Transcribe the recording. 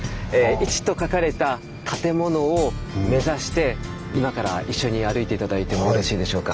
「一」と書かれた建物を目指して今から一緒に歩いて頂いてもよろしいでしょうか。